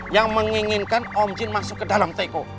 yang menginginkan om jin masuk ke dalam teko